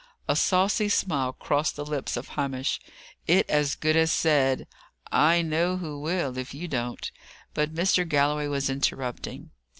A saucy smile crossed the lips of Hamish. It as good as said, "I know who will, if you don't." But Mr. Galloway was interrupting.